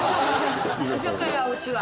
居酒屋うちは。